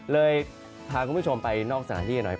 เลยพาคุณผู้ชมไปนอกสถานที่หน่อย